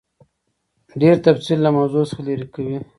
ډېر تفصیل له موضوع څخه لیرې کوي.